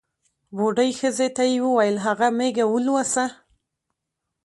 بوډۍ ښځې ته یې ووېل هغه مېږه ولوسه.